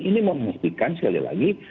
ini memungkinkan sekali lagi